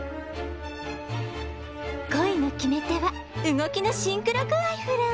恋の決め手は動きのシンクロ具合フラ。